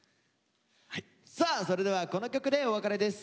さあそれではこの曲でお別れです。